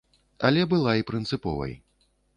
Але была і прынцыповай.